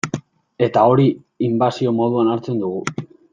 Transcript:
Eta hori inbasio moduan hartzen dugu.